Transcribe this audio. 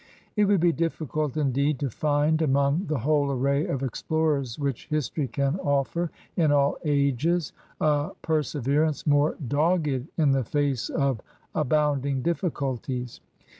'* It would be difficult, indeed, to find among the whole array of explorers which history can offer in all ages a perseverance more dogged in the face of abounding difficulties.